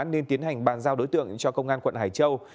nên tiến hành bàn giao đối tượng cho công an quận hải châu